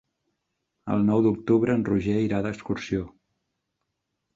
El nou d'octubre en Roger irà d'excursió.